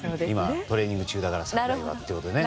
今、トレーニング中だからって。